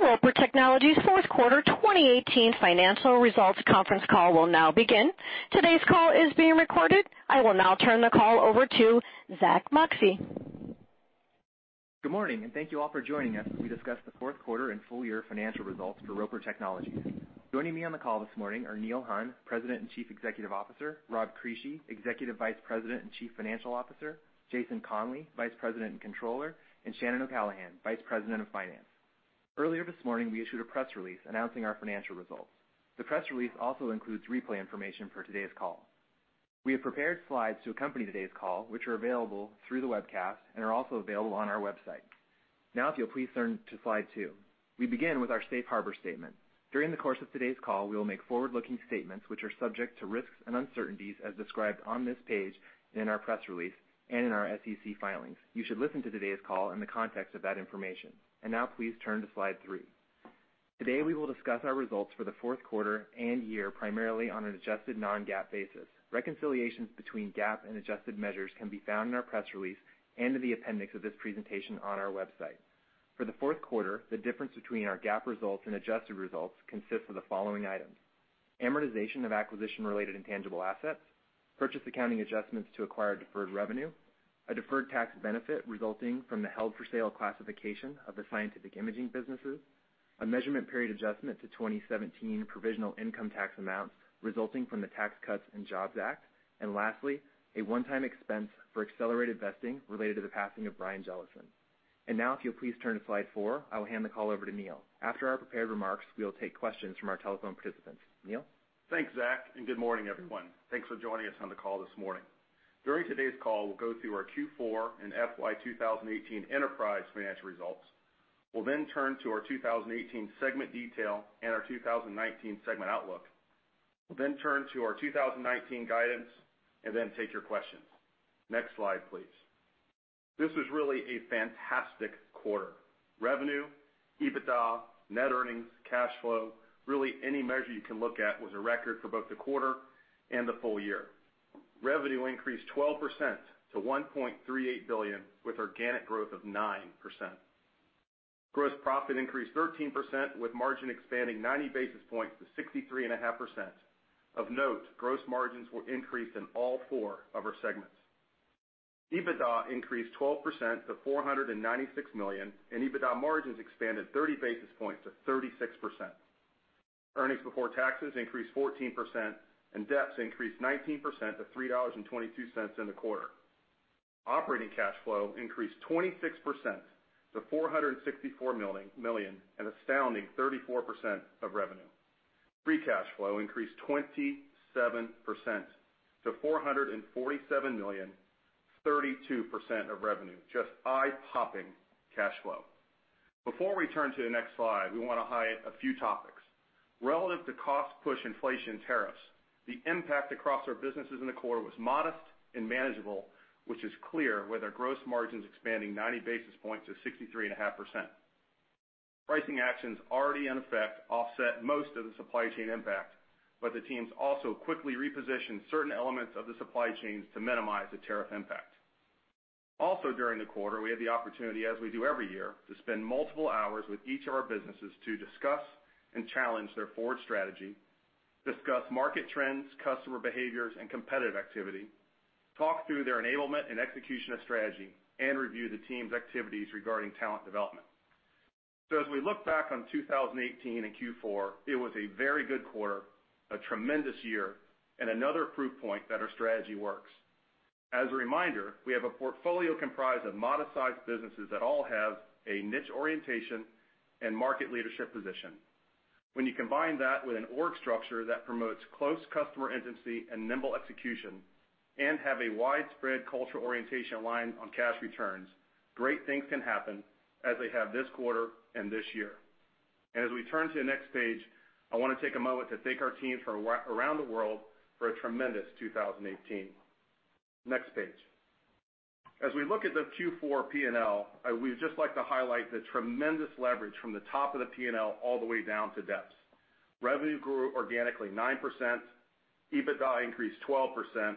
The Roper Technologies fourth quarter 2018 financial results conference call will now begin. Today's call is being recorded. I will now turn the call over to Zack Moxcey. Good morning, thank you all for joining us as we discuss the fourth quarter and full year financial results for Roper Technologies. Joining me on the call this morning are Neil Hunn, President and Chief Executive Officer, Rob Crisci, Executive Vice President and Chief Financial Officer, Jason Conley, Vice President and Controller, and Shannon O'Callaghan, Vice President of Finance. Earlier this morning, we issued a press release announcing our financial results. The press release also includes replay information for today's call. We have prepared slides to accompany today's call, which are available through the webcast and are also available on our website. Now, if you'll please turn to slide two. We begin with our safe harbor statement. During the course of today's call, we will make forward-looking statements, which are subject to risks and uncertainties as described on this page, in our press release, and in our SEC filings. You should listen to today's call in the context of that information. Now please turn to slide three. Today, we will discuss our results for the fourth quarter and year, primarily on an adjusted non-GAAP basis. Reconciliations between GAAP and adjusted measures can be found in our press release and in the appendix of this presentation on our website. For the fourth quarter, the difference between our GAAP results and adjusted results consists of the following items: amortization of acquisition-related intangible assets, purchase accounting adjustments to acquire deferred revenue, a deferred tax benefit resulting from the held-for-sale classification of the scientific imaging businesses, a measurement period adjustment to 2017 provisional income tax amounts resulting from the Tax Cuts and Jobs Act, and lastly, a one-time expense for accelerated vesting related to the passing of Brian Jellison. Now, if you'll please turn to slide four, I will hand the call over to Neil. After our prepared remarks, we will take questions from our telephone participants. Neil? Thanks, Zack, good morning, everyone. Thanks for joining us on the call this morning. During today's call, we'll go through our Q4 and FY 2018 enterprise financial results. We'll turn to our 2018 segment detail and our 2019 segment outlook. We'll turn to our 2019 guidance and then take your questions. Next slide, please. This was really a fantastic quarter. Revenue, EBITDA, net earnings, cash flow, really any measure you can look at was a record for both the quarter and the full year. Revenue increased 12% to $1.38 billion with organic growth of 9%. Gross profit increased 13%, with margin expanding 90 basis points to 63.5%. Of note, gross margins were increased in all four of our segments. EBITDA increased 12% to $496 million, and EBITDA margins expanded 30 basis points to 36%. Earnings before taxes increased 14%, DEPS increased 19% to $3.22 in the quarter. Operating cash flow increased 26% to $464 million, an astounding 34% of revenue. Free cash flow increased 27% to $447 million, 32% of revenue. Just eye-popping cash flow. Before we turn to the next slide, we want to highlight a few topics. Relative to cost push inflation tariffs, the impact across our businesses in the quarter was modest and manageable, which is clear with our gross margins expanding 90 basis points to 63.5%. Pricing actions already in effect offset most of the supply chain impact, the teams also quickly repositioned certain elements of the supply chains to minimize the tariff impact. Also during the quarter, we had the opportunity, as we do every year, to spend multiple hours with each of our businesses to discuss and challenge their forward strategy, discuss market trends, customer behaviors, competitive activity, talk through their enablement execution of strategy, review the team's activities regarding talent development. As we look back on 2018 and Q4, it was a very good quarter, a tremendous year, another proof point that our strategy works. As a reminder, we have a portfolio comprised of modest-sized businesses that all have a niche orientation market leadership position. When you combine that with an org structure that promotes close customer intimacy nimble execution have a widespread cultural orientation aligned on cash returns, great things can happen, as they have this quarter and this year. As we turn to the next page, I want to take a moment to thank our teams around the world for a tremendous 2018. Next page. As we look at the Q4 P&L, we'd just like to highlight the tremendous leverage from the top of the P&L all the way down to DEPS. Revenue grew organically 9%, EBITDA increased 12%,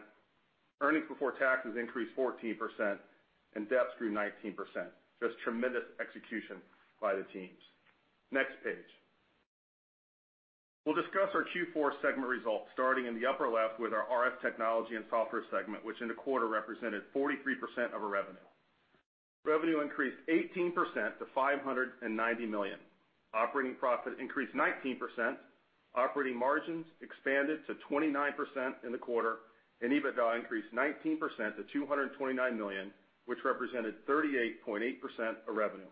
earnings before taxes increased 14%, DEPS grew 19%. Just tremendous execution by the teams. Next page. We'll discuss our Q4 segment results, starting in the upper left with our RF Technology and Software segment, which in the quarter represented 43% of our revenue. Revenue increased 18% to $590 million. Operating profit increased 19%, operating margins expanded to 29% in the quarter, EBITDA increased 19% to $229 million, which represented 38.8% of revenue.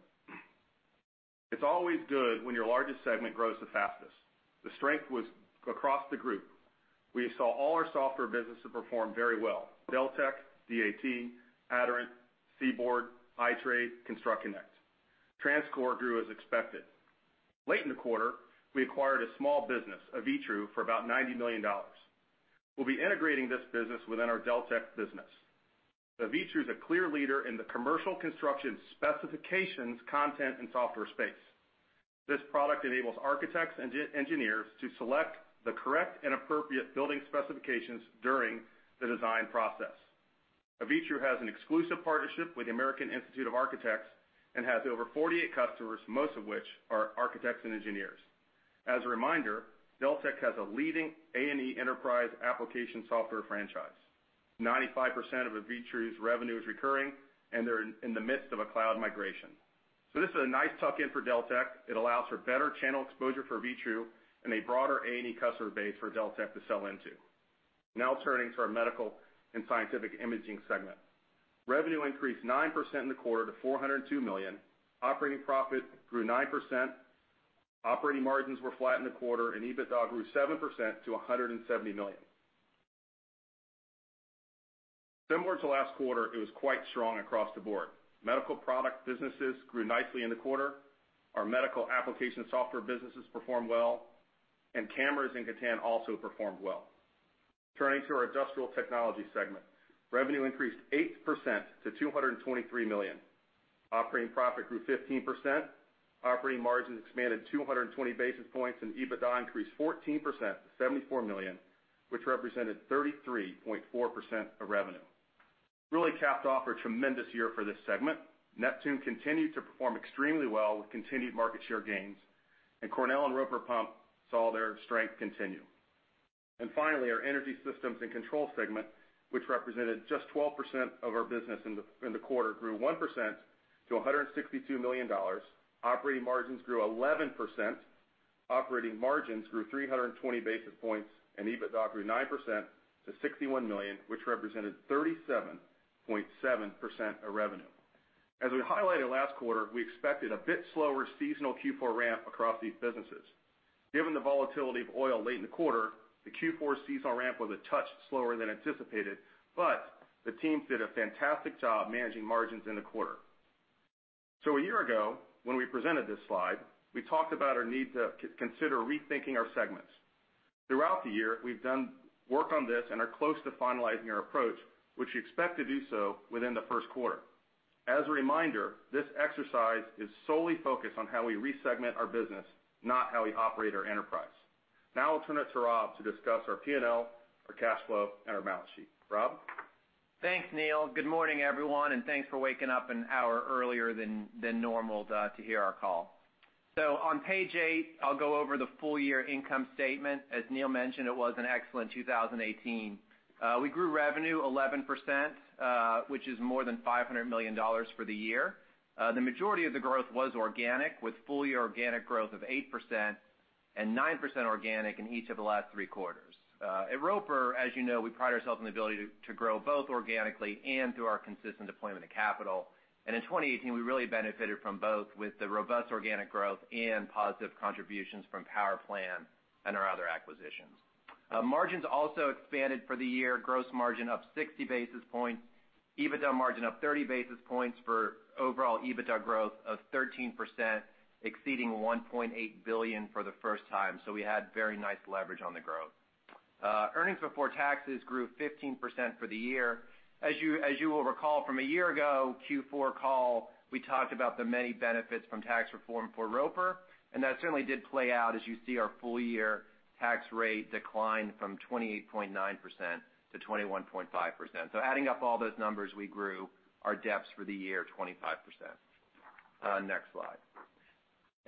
It's always good when your largest segment grows the fastest. The strength was across the group. We saw all our software businesses perform very well: Deltek, DAT, Aderant, CBORD, iTrade, ConstructConnect. TransCore grew as expected. Late in the quarter, we acquired a small business, Avitru, for about $90 million. We'll be integrating this business within our Deltek business. Avitru is a clear leader in the commercial construction specifications content and software space. This product enables architects and engineers to select the correct and appropriate building specifications during the design process. Avitru has an exclusive partnership with the American Institute of Architects and has over 48 customers, most of which are architects and engineers. As a reminder, Deltek has a leading A&E enterprise application software franchise. 95% of Avitru's revenue is recurring, and they're in the midst of a cloud migration. This is a nice tuck-in for Deltek. It allows for better channel exposure for Avitru and a broader A&E customer base for Deltek to sell into. Turning to our Medical and Scientific Imaging segment. Revenue increased 9% in the quarter to $402 million. Operating profit grew 9%. Operating margins were flat in the quarter, and EBITDA grew 7% to $170 million. Similar to last quarter, it was quite strong across the board. Medical product businesses grew nicely in the quarter. Our medical application software businesses performed well, and cameras and Gatan also performed well. Turning to our Industrial Technology segment. Revenue increased 8% to $223 million. Operating profit grew 15%, operating margins expanded 220 basis points, and EBITDA increased 14% to $74 million, which represented 33.4% of revenue. Really capped off a tremendous year for this segment. Neptune continued to perform extremely well with continued market share gains, and Cornell and Roper Pump saw their strength continue. Finally, our Energy Systems and Controls segment, which represented just 12% of our business in the quarter, grew 1% to $162 million. Operating margins grew 11%, operating margins grew 320 basis points, and EBITDA grew 9% to $61 million, which represented 37.7% of revenue. As we highlighted last quarter, we expected a bit slower seasonal Q4 ramp across these businesses. Given the volatility of oil late in the quarter, the Q4 seasonal ramp was a touch slower than anticipated, the teams did a fantastic job managing margins in the quarter. A year ago, when we presented this slide, we talked about our need to consider rethinking our segments. Throughout the year, we've done work on this and are close to finalizing our approach, which we expect to do so within the first quarter. As a reminder, this exercise is solely focused on how we re-segment our business, not how we operate our enterprise. I'll turn it to Rob to discuss our P&L, our cash flow, and our balance sheet. Rob? Thanks, Neil. Good morning, everyone, and thanks for waking up an hour earlier than normal to hear our call. On page eight, I'll go over the full year income statement. As Neil mentioned, it was an excellent 2018. We grew revenue 11%, which is more than $500 million for the year. The majority of the growth was organic, with full-year organic growth of 8% and 9% organic in each of the last three quarters. At Roper, as you know, we pride ourselves on the ability to grow both organically and through our consistent deployment of capital. In 2018, we really benefited from both with the robust organic growth and positive contributions from PowerPlan and our other acquisitions. Margins also expanded for the year. Gross margin up 60 basis points. EBITDA margin up 30 basis points for overall EBITDA growth of 13%, exceeding $1.8 billion for the first time. We had very nice leverage on the growth. Earnings before taxes grew 15% for the year. As you will recall from a year ago, Q4 call, we talked about the many benefits from tax reform for Roper, and that certainly did play out as you see our full-year tax rate decline from 28.9% to 21.5%. Adding up all those numbers, we grew our DEPS for the year 25%. Next slide.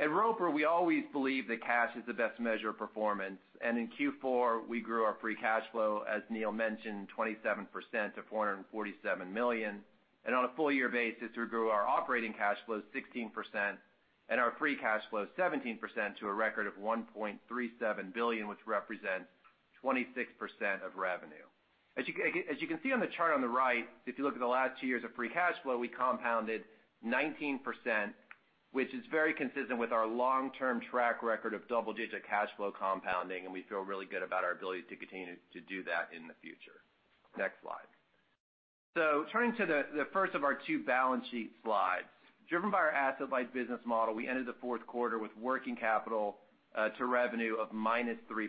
At Roper, we always believe that cash is the best measure of performance. In Q4, we grew our free cash flow, as Neil mentioned, 27% to $447 million. On a full year basis, we grew our operating cash flow 16% and our free cash flow 17% to a record of $1.37 billion, which represents 26% of revenue. As you can see on the chart on the right, if you look at the last two years of free cash flow, we compounded 19%, which is very consistent with our long-term track record of double-digit cash flow compounding, and we feel really good about our ability to continue to do that in the future. Next slide. Turning to the first of our two balance sheet slides. Driven by our asset-light business model, we ended the fourth quarter with working capital to revenue of minus 3%,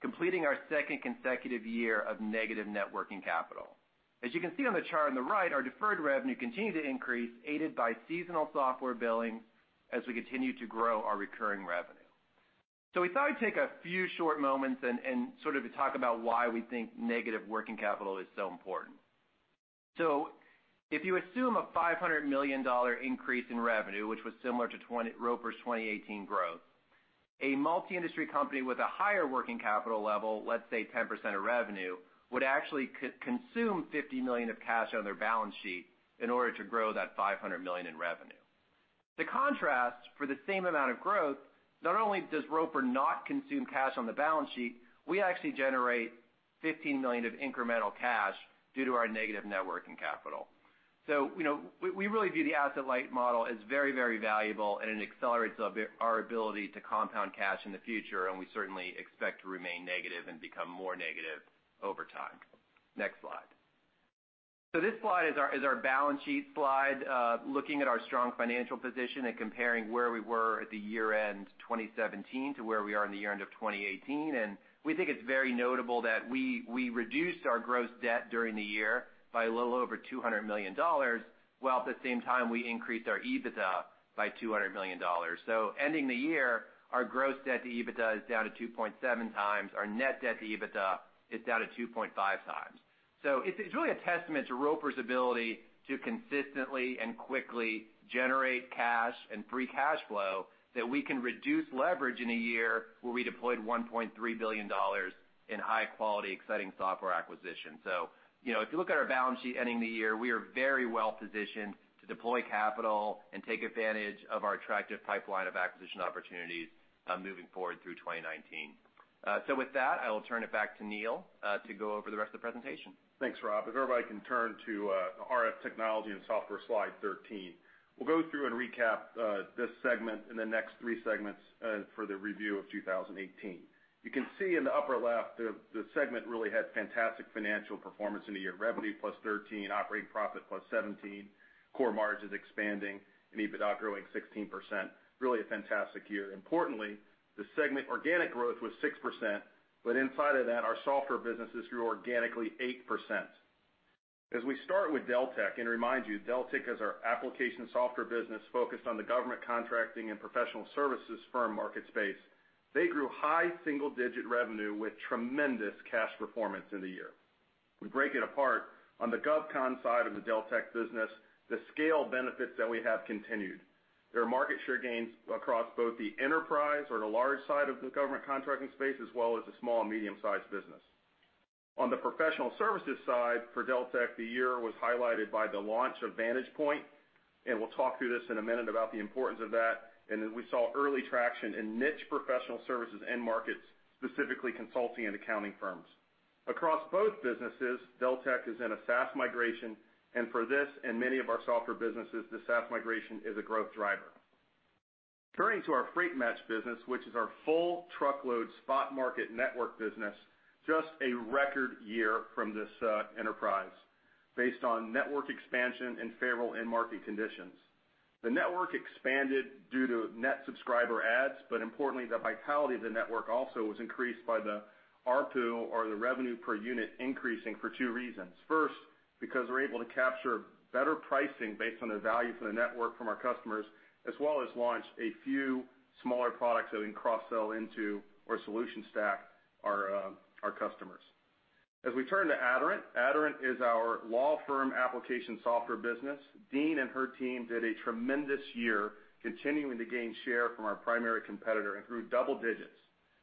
completing our second consecutive year of negative net working capital. As you can see on the chart on the right, our deferred revenue continued to increase, aided by seasonal software billing as we continue to grow our recurring revenue. We thought we'd take a few short moments and sort of talk about why we think negative working capital is so important. If you assume a $500 million increase in revenue, which was similar to Roper's 2018 growth, a multi-industry company with a higher working capital level, let's say 10% of revenue, would actually consume $50 million of cash on their balance sheet in order to grow that $500 million in revenue. To contrast, for the same amount of growth, not only does Roper not consume cash on the balance sheet, we actually generate $15 million of incremental cash due to our negative net working capital. We really view the asset-light model as very, very valuable, and it accelerates our ability to compound cash in the future, and we certainly expect to remain negative and become more negative over time. Next slide. This slide is our balance sheet slide, looking at our strong financial position and comparing where we were at the year-end 2017 to where we are in the year-end of 2018. We think it's very notable that we reduced our gross debt during the year by a little over $200 million, while at the same time we increased our EBITDA by $200 million. Ending the year, our gross debt to EBITDA is down to 2.7 times. Our net debt to EBITDA is down to 2.5 times. It's really a testament to Roper Technologies's ability to consistently and quickly generate cash and free cash flow that we can reduce leverage in a year where we deployed $1.3 billion in high-quality, exciting software acquisitions. If you look at our balance sheet ending the year, we are very well-positioned to deploy capital and take advantage of our attractive pipeline of acquisition opportunities moving forward through 2019. With that, I will turn it back to Neil to go over the rest of the presentation. Thanks, Rob. If everybody can turn to the RF technology and software, slide 13. We'll go through and recap this segment and the next three segments for the review of 2018. You can see in the upper left, the segment really had fantastic financial performance in the year. Revenue +13%, operating profit +17%, core margins expanding, and EBITDA growing 16%. Really a fantastic year. Importantly, the segment organic growth was 6%, but inside of that, our software businesses grew organically 8%. As we start with Deltek, remind you, Deltek is our application software business focused on the GovCon and professional services firm market space. They grew high single-digit revenue with tremendous cash performance in the year. We break it apart. On the GovCon side of the Deltek business, the scale benefits that we have continued. There are market share gains across both the enterprise or the large side of the government contracting space, as well as the small and medium-sized business. On the professional services side for Deltek, the year was highlighted by the launch of Vantagepoint, and we'll talk through this in a minute about the importance of that. We saw early traction in niche professional services end markets, specifically consulting and accounting firms. Across both businesses, Deltek is in a SaaS migration. For this and many of our software businesses, the SaaS migration is a growth driver. Turning to our FreightMatch business, which is our full truckload spot market network business, just a record year from this enterprise based on network expansion and favorable end market conditions. The network expanded due to net subscriber adds. Importantly, the vitality of the network also was increased by the ARPU or the revenue per unit increasing for two reasons. First, because we are able to capture better pricing based on the value to the network from our customers, as well as launch a few smaller products that we can cross-sell into or solution stack our customers. As we turn to Aderant is our law firm application software business. Deane and her team did a tremendous year continuing to gain share from our primary competitor and grew double digits.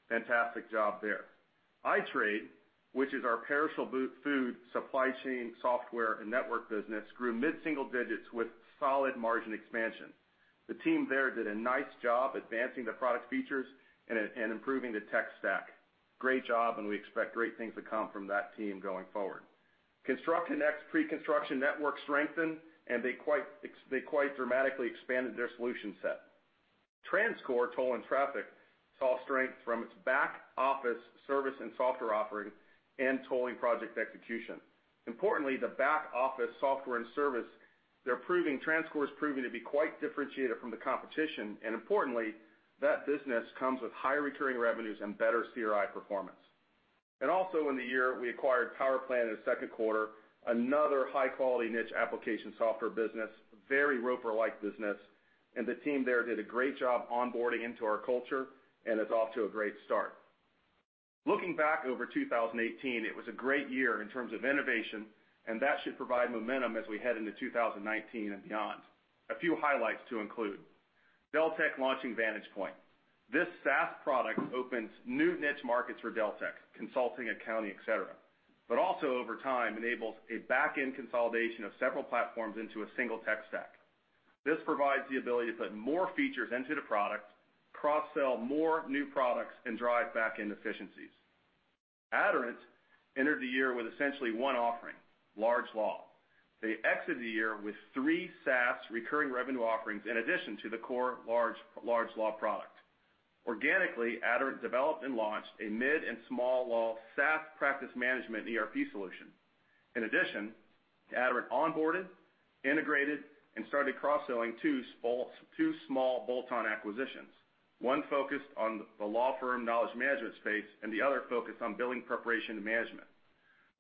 Fantastic job there. iTrade, which is our perishable food supply chain software and network business, grew mid-single digits with solid margin expansion. The team there did a nice job advancing the product features and improving the tech stack. Great job. We expect great things to come from that team going forward. ConstructConnect's pre-construction network strengthened. They quite dramatically expanded their solution set. TransCore toll and traffic saw strength from its back-office service and software offering and tolling project execution. Importantly, the back-office software and service, TransCore's proving to be quite differentiated from the competition. Importantly, that business comes with higher recurring revenues and better CRI performance. Also in the year, we acquired PowerPlan in the second quarter, another high-quality niche application software business, very Roper-like business. The team there did a great job onboarding into our culture and is off to a great start. Looking back over 2018, it was a great year in terms of innovation. That should provide momentum as we head into 2019 and beyond. A few highlights to include. Deltek launching Vantagepoint. This SaaS product opens new niche markets for Deltek, consulting, accounting, et cetera. Also over time enables a back-end consolidation of several platforms into a single tech stack. This provides the ability to put more features into the product, cross-sell more new products, and drive back-end efficiencies. Aderant entered the year with essentially one offering, large law. They exited the year with three SaaS recurring revenue offerings in addition to the core large law product. Organically, Aderant developed and launched a mid and small law SaaS practice management ERP solution. In addition, Aderant onboarded, integrated, and started cross-selling two small bolt-on acquisitions, one focused on the law firm knowledge management space and the other focused on billing preparation and management.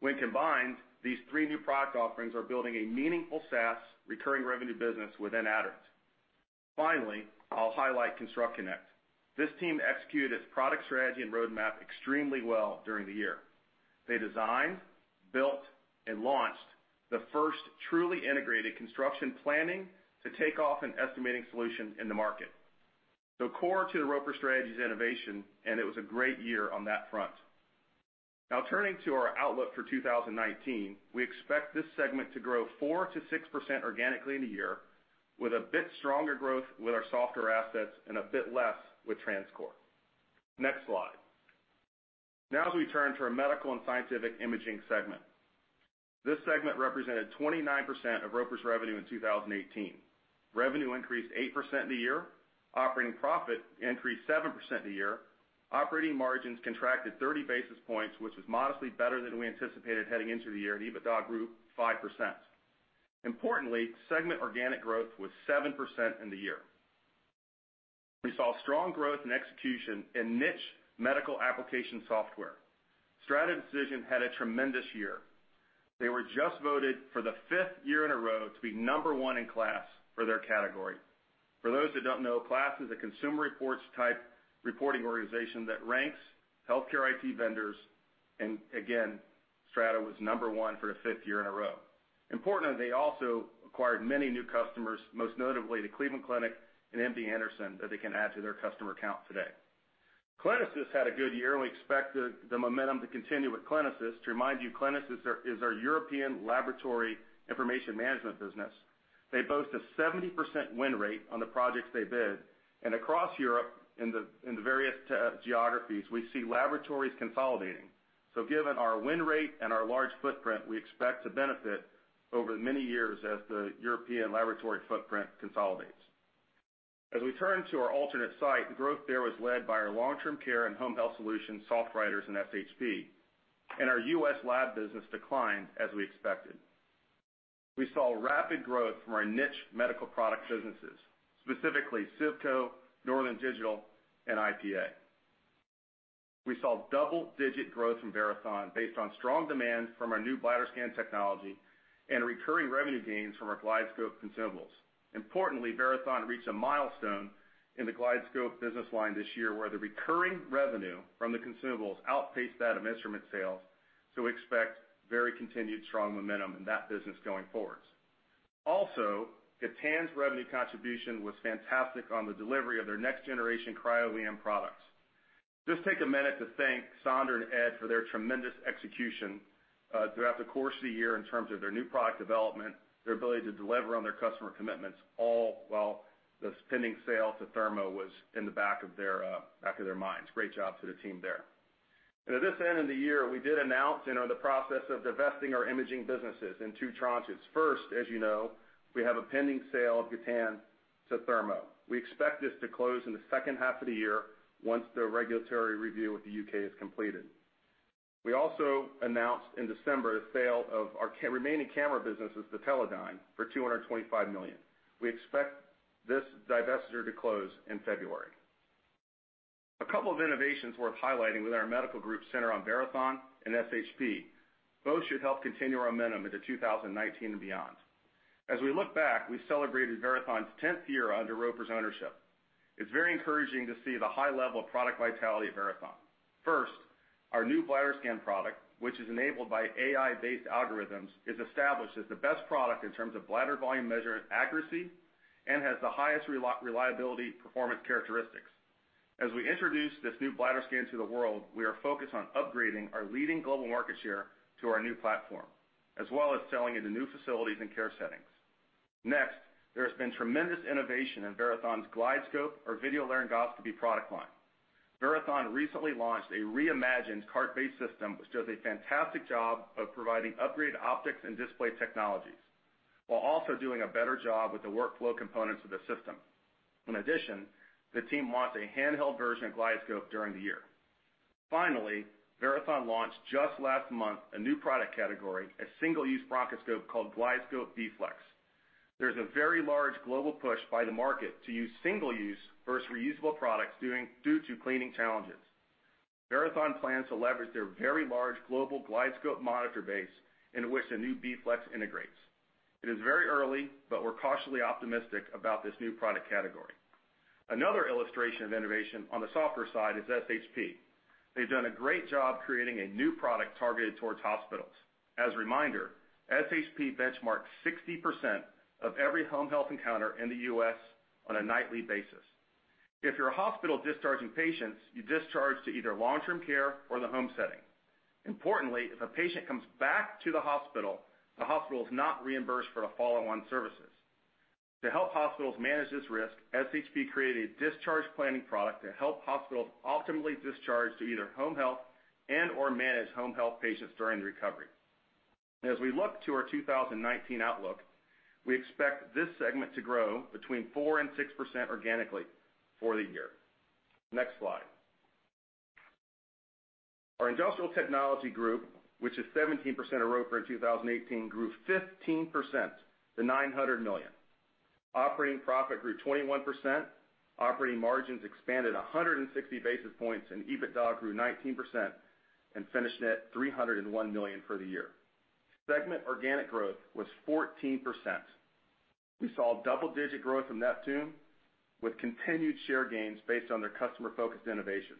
When combined, these three new product offerings are building a meaningful SaaS recurring revenue business within Aderant. Finally, I will highlight ConstructConnect. This team executed its product strategy and roadmap extremely well during the year. They designed, built, and launched the first truly integrated construction planning to take off an estimating solution in the market. Core to the Roper strategy is innovation, and it was a great year on that front. Now turning to our outlook for 2019, we expect this segment to grow 4%-6% organically in the year, with a bit stronger growth with our software assets and a bit less with TransCore. Next slide. Now as we turn to our medical and scientific imaging segment. This segment represented 29% of Roper's revenue in 2018. Revenue increased 8% in the year. Operating profit increased 7% in the year. Operating margins contracted 30 basis points, which was modestly better than we anticipated heading into the year. EBITDA grew 5%. Importantly, segment organic growth was 7% in the year. We saw strong growth and execution in niche medical application software. Strata Decision had a tremendous year. They were just voted for the 5th year in a row to be number 1 in class for their category. For those that don't know, KLAS is a consumer reports type reporting organization that ranks healthcare IT vendors. Strata was number one for the 5th year in a row. Importantly, they also acquired many new customers, most notably the Cleveland Clinic and MD Anderson, that they can add to their customer count today. Clinisys had a good year, and we expect the momentum to continue with Clinisys. To remind you, Clinisys is our European laboratory information management business. They boast a 70% win rate on the projects they bid. Across Europe in the various geographies, we see laboratories consolidating. Given our win rate and our large footprint, we expect to benefit over many years as the European laboratory footprint consolidates. As we turn to our alternate site, the growth there was led by our long-term care and home health solution, SoftWriters and SHP, and our U.S. lab business declined as we expected. We saw rapid growth from our niche medical product businesses, specifically CIVCO, Northern Digital and IPA. We saw double-digit growth from Verathon based on strong demand from our new BladderScan technology and recurring revenue gains from our GlideScope consumables. Importantly, Verathon reached a milestone in the GlideScope business line this year, where the recurring revenue from the consumables outpaced that of instrument sales, so expect very continued strong momentum in that business going forward. Also, Gatan's revenue contribution was fantastic on the delivery of their next generation cryo-EM products. Just take a minute to thank Sandra and Ed for their tremendous execution, throughout the course of the year in terms of their new product development, their ability to deliver on their customer commitments, all while the pending sale to Thermo was in the back of their minds. Great job to the team there. At this end of the year, we did announce the process of divesting our imaging businesses in two tranches. First, as you know, we have a pending sale of Gatan to Thermo. We expect this to close in the second half of the year once the regulatory review with the U.K. is completed. We also announced in December the sale of our remaining camera businesses to Teledyne for $225 million. We expect this divestiture to close in February. A couple of innovations worth highlighting with our medical group center on Verathon and SHP. Both should help continue our momentum into 2019 and beyond. As we look back, we celebrated Verathon's 10th year under Roper's ownership. It's very encouraging to see the high level of product vitality at Verathon. First, our new BladderScan product, which is enabled by AI-based algorithms, is established as the best product in terms of bladder volume measurement accuracy and has the highest reliability performance characteristics. As we introduce this new BladderScan to the world, we are focused on upgrading our leading global market share to our new platform, as well as selling it to new facilities and care settings. Next, there has been tremendous innovation in Verathon's GlideScope or video laryngoscopy product line. Verathon recently launched a reimagined cart-based system, which does a fantastic job of providing upgraded optics and display technologies while also doing a better job with the workflow components of the system. In addition, the team launched a handheld version of GlideScope during the year. Finally, Verathon launched just last month a new product category, a single-use bronchoscope called GlideScope VFLEX. There is a very large global push by the market to use single-use versus reusable products due to cleaning challenges. Verathon plans to leverage their very large global GlideScope monitor base in which the new VFLEX integrates. It is very early, but we are cautiously optimistic about this new product category. Another illustration of innovation on the software side is SHP. They have done a great job creating a new product targeted towards hospitals. As a reminder, SHP benchmarks 60% of every home health encounter in the U.S. on a nightly basis. If you are a hospital discharging patients, you discharge to either long-term care or the home setting. Importantly, if a patient comes back to the hospital, the hospital is not reimbursed for the follow-on services. To help hospitals manage this risk, SHP created a discharge planning product to help hospitals optimally discharge to either home health and or manage home health patients during the recovery. As we look to our 2019 outlook, we expect this segment to grow between 4% and 6% organically for the year. Next slide. Our Industrial Technology Group, which is 17% of Roper in 2018, grew 15% to $900 million. Operating profit grew 21%, operating margins expanded 160 basis points, and EBITDA grew 19% and finished net $301 million for the year. Segment organic growth was 14%. We saw double-digit growth from Neptune with continued share gains based on their customer-focused innovations.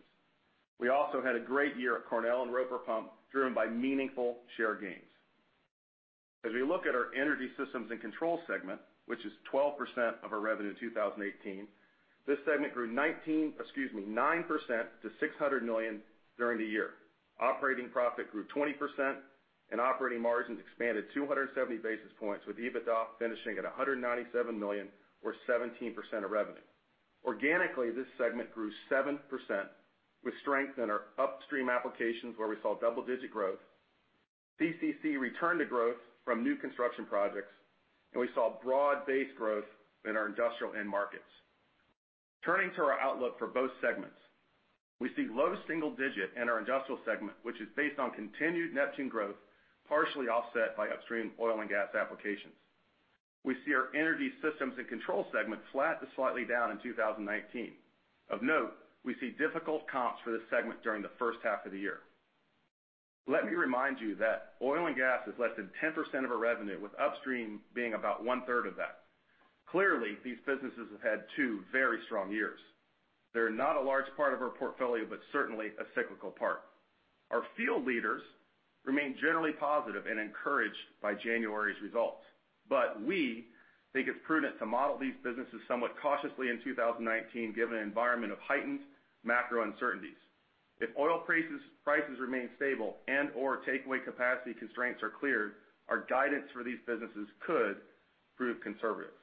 We also had a great year at Cornell and Roper Pump, driven by meaningful share gains. As we look at our Energy Systems and Controls segment, which is 12% of our revenue in 2018, this segment grew 9% to $600 million during the year. Operating profit grew 20% and operating margins expanded 270 basis points, with EBITDA finishing at $197 million or 17% of revenue. Organically, this segment grew 7% with strength in our upstream applications where we saw double-digit growth. DCC returned to growth from new construction projects, and we saw broad-based growth in our industrial end markets. Turning to our outlook for both segments. We see low single digit in our industrial segment, which is based on continued Neptune growth, partially offset by upstream oil and gas applications. We see our energy systems and controls segment flat to slightly down in 2019. Of note, we see difficult comps for this segment during the first half of the year. Let me remind you that oil and gas is less than 10% of our revenue, with upstream being about one-third of that. Clearly, these businesses have had two very strong years. They are not a large part of our portfolio, but certainly a cyclical part. Our field leaders remain generally positive and encouraged by January's results, but we think it is prudent to model these businesses somewhat cautiously in 2019, given an environment of heightened macro uncertainties. If oil prices remain stable and/or takeaway capacity constraints are cleared, our guidance for these businesses could prove conservative.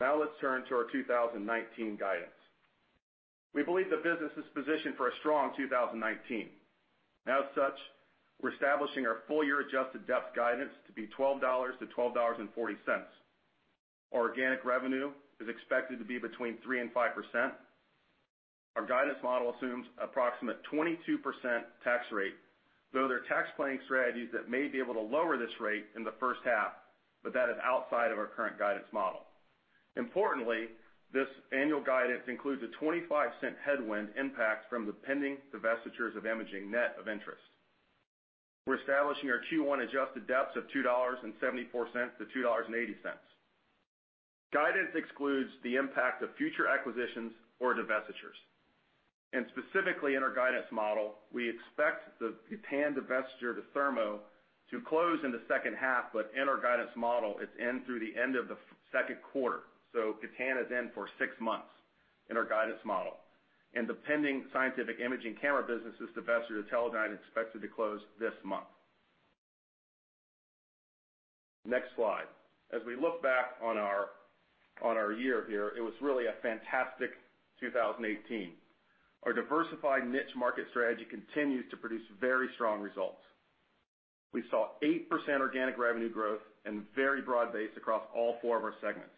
Now let us turn to our 2019 guidance. We believe the business is positioned for a strong 2019. As such, we are establishing our full-year adjusted DEPS guidance to be $12 to $12.40. Our organic revenue is expected to be between 3% and 5%. Our guidance model assumes approximate 22% tax rate, though there are tax planning strategies that may be able to lower this rate in the first half. That is outside of our current guidance model. Importantly, this annual guidance includes a $0.25 headwind impact from the pending divestitures of imaging, net of interest. We're establishing our Q1 adjusted DEPS of $2.74 to $2.80. Guidance excludes the impact of future acquisitions or divestitures. Specifically, in our guidance model, we expect the Gatan divestiture to Thermo to close in the second half. In our guidance model, it's in through the end of the second quarter. Gatan is in for six months in our guidance model. The pending scientific imaging camera business's divesture to Teledyne is expected to close this month. Next slide. We look back on our year here. It was really a fantastic 2018. Our diversified niche market strategy continues to produce very strong results. We saw 8% organic revenue growth and very broad-based across all four of our segments.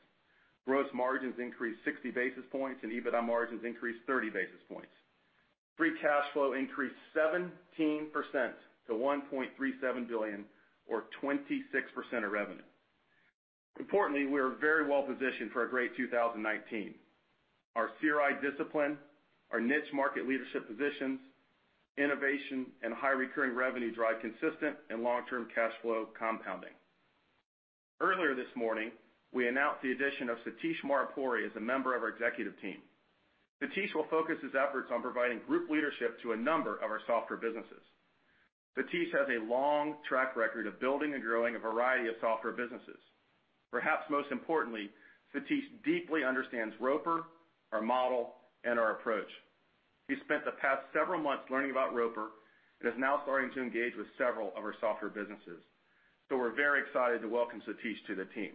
Gross margins increased 60 basis points, and EBITDA margins increased 30 basis points. Free cash flow increased 17% to $1.37 billion or 26% of revenue. Importantly, we are very well-positioned for a great 2019. Our CRI discipline, our niche market leadership positions, innovation, and high recurring revenue drive consistent and long-term cash flow compounding. Earlier this morning, we announced the addition of Satish Maripuri as a member of our executive team. Satish will focus his efforts on providing group leadership to a number of our software businesses. Satish has a long track record of building and growing a variety of software businesses. Perhaps most importantly, Satish deeply understands Roper, our model, and our approach. He spent the past several months learning about Roper and is now starting to engage with several of our software businesses. We're very excited to welcome Satish to the team.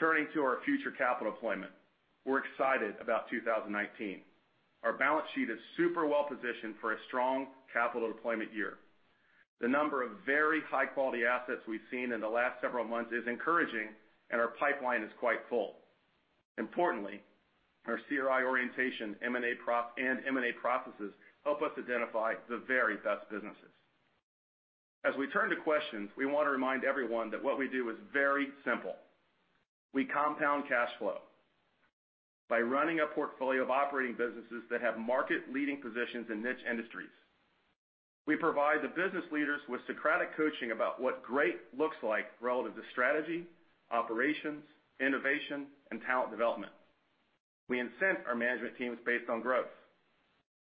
Turning to our future capital deployment, we're excited about 2019. Our balance sheet is super well-positioned for a strong capital deployment year. The number of very high-quality assets we've seen in the last several months is encouraging, and our pipeline is quite full. Importantly, our CRI orientation and M&A processes help us identify the very best businesses. We turn to questions. We want to remind everyone that what we do is very simple. We compound cash flow by running a portfolio of operating businesses that have market-leading positions in niche industries. We provide the business leaders with Socratic coaching about what great looks like relative to strategy, operations, innovation, and talent development. We incent our management teams based on growth,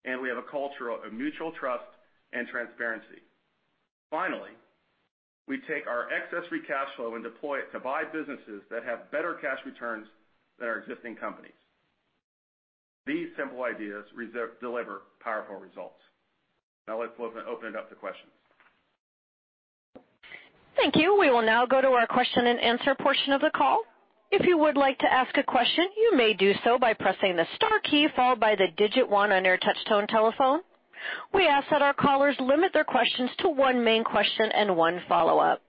and we have a culture of mutual trust and transparency. Finally, we take our excess free cash flow and deploy it to buy businesses that have better cash returns than our existing companies. These simple ideas deliver powerful results. Let's open it up to questions. Thank you. We will now go to our question and answer portion of the call. If you would like to ask a question, you may do so by pressing the star key followed by the digit one on your touch-tone telephone. We ask that our callers limit their questions to one main question and one follow-up.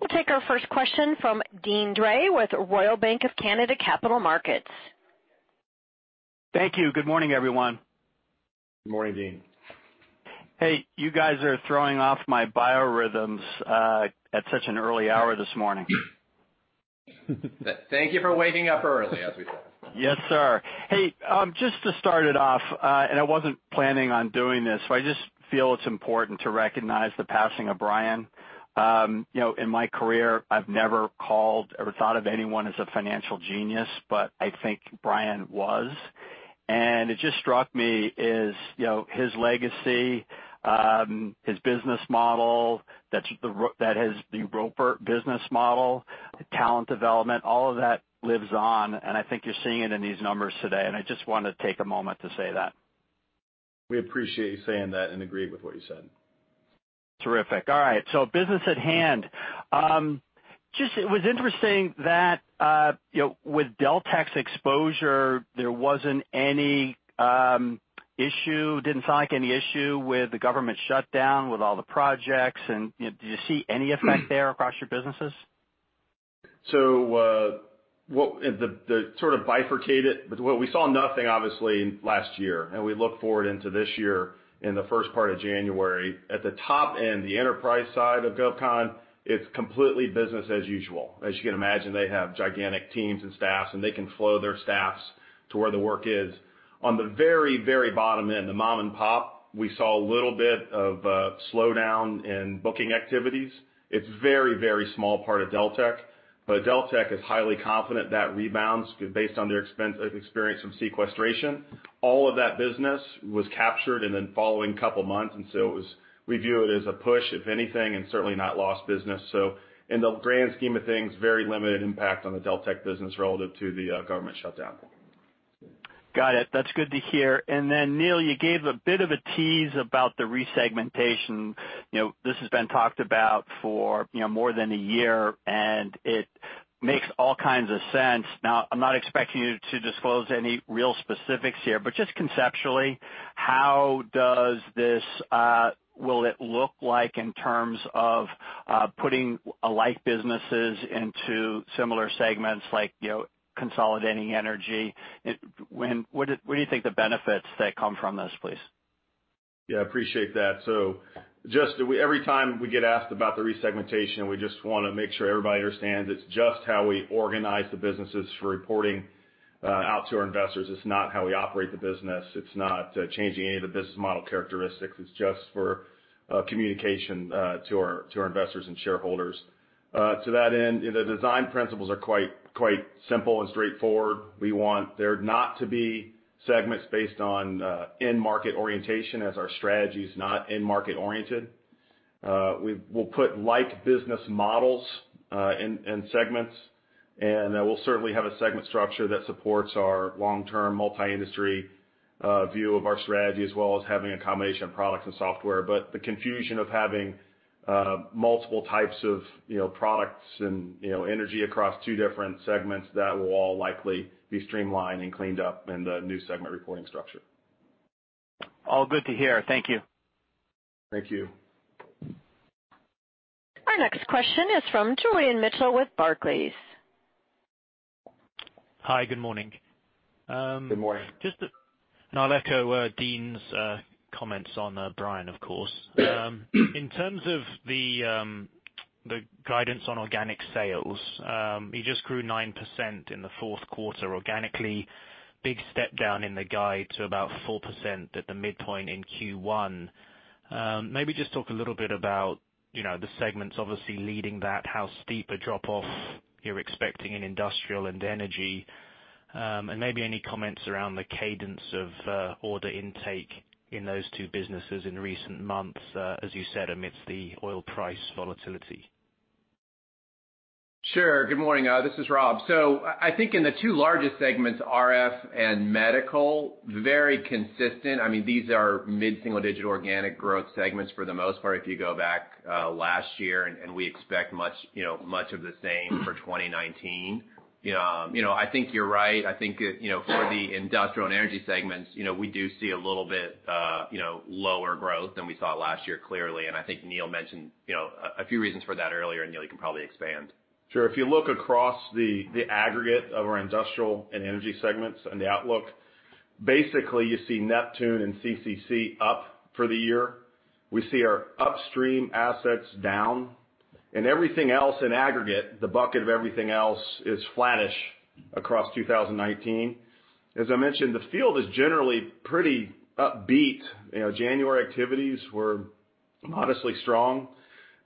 We'll take our first question from Deane Dray with RBC Capital Markets. Thank you. Good morning, everyone. Good morning, Deane. Hey, you guys are throwing off my biorhythms at such an early hour this morning. Thank you for waking up early, as we say. Yes, sir. Just to start it off, I wasn't planning on doing this, I just feel it's important to recognize the passing of Brian. In my career, I've never called or thought of anyone as a financial genius, I think Brian was. It just struck me is his legacy, his business model, that is the Roper business model, the talent development, all of that lives on, I think you're seeing it in these numbers today. I just want to take a moment to say that. We appreciate you saying that and agree with what you said. Terrific. All right. Business at hand. It was interesting that with Deltek's exposure, there wasn't any issue, didn't sound like any issue with the government shutdown, with all the projects, did you see any effect there across your businesses? The sort of bifurcated, we saw nothing, obviously, last year. We look forward into this year in the first part of January. At the top end, the enterprise side of GovCon, it's completely business as usual. As you can imagine, they have gigantic teams and staffs. They can flow their staffs to where the work is. On the very, very bottom end, the mom and pop, we saw a little bit of a slowdown in booking activities. It's a very, very small part of Deltek. Deltek is highly confident that rebounds based on their experience from sequestration. All of that business was captured in the following couple of months. We view it as a push if anything. Certainly not lost business. In the grand scheme of things, very limited impact on the Deltek business relative to the government shutdown. Got it. That's good to hear. Neil, you gave a bit of a tease about the resegmentation. This has been talked about for more than a year. It makes all kinds of sense. Now, I'm not expecting you to disclose any real specifics here. Just conceptually, how will it look like in terms of putting like businesses into similar segments, like consolidating energy? What do you think the benefits that come from this please? Yeah, appreciate that. Just every time we get asked about the resegmentation, we just want to make sure everybody understands it's just how we organize the businesses for reporting out to our investors. It's not how we operate the business. It's not changing any of the business model characteristics. It's just for communication to our investors and shareholders. To that end, the design principles are quite simple and straightforward. We want there not to be segments based on end market orientation as our strategy is not end market oriented. We'll put like business models in segments. We'll certainly have a segment structure that supports our long-term multi-industry view of our strategy as well as having a combination of products and software. The confusion of having multiple types of products and energy across two different segments, that will all likely be streamlined and cleaned up in the new segment reporting structure. All good to hear. Thank you. Thank you. Our next question is from Julian Mitchell with Barclays. Hi. Good morning. Good morning. I'll echo Deane's comments on Brian, of course. In terms of the guidance on organic sales, you just grew 9% in the fourth quarter organically. Big step down in the guide to about 4% at the midpoint in Q1. Maybe just talk a little bit about the segments obviously leading that, how steep a drop-off you're expecting in industrial and energy, and maybe any comments around the cadence of order intake in those two businesses in recent months, as you said, amidst the oil price volatility. Sure. Good morning. This is Rob. I think in the two largest segments, RF and medical, very consistent. These are mid-single digit organic growth segments for the most part, if you go back last year, and we expect much of the same for 2019. I think you're right. I think for the industrial and energy segments, we do see a little bit lower growth than we saw last year, clearly. I think Neil mentioned a few reasons for that earlier, Neil, you can probably expand. Sure. If you look across the aggregate of our industrial and energy segments and the outlook, basically you see Neptune and CCC up for the year. We see our upstream assets down, and everything else in aggregate, the bucket of everything else, is flattish across 2019. As I mentioned, the field is generally pretty upbeat. January activities were modestly strong.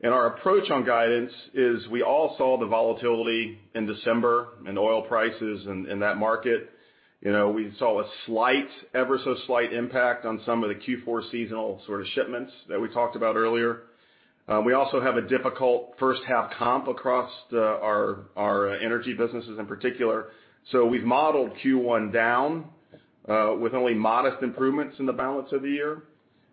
Our approach on guidance is we all saw the volatility in December in oil prices and in that market. We saw a slight, ever so slight impact on some of the Q4 seasonal sort of shipments that we talked about earlier. We also have a difficult first half comp across our energy businesses in particular. We've modeled Q1 down with only modest improvements in the balance of the year.